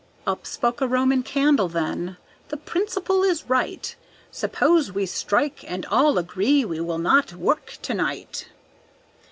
Up spoke a Roman candle then, "The principle is right! Suppose we strike, and all agree we will not work to night!"